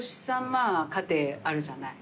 まぁ家庭あるじゃない。